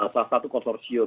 salah satu konsorsium